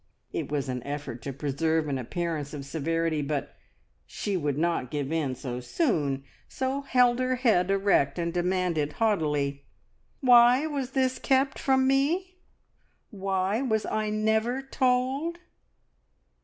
It was an effort to preserve an appearance of severity, but she would not give in so soon, so held her head erect, and demanded haughtily "Why was this kept from me? Why was I never told?"